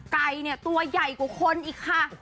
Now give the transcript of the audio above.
ไก่เนี่ยตัวใหญ่กว่าคนอีกค่ะ